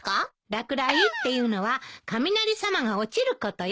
落雷っていうのは雷さまが落ちることよ。